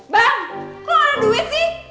bang kok ada duit sih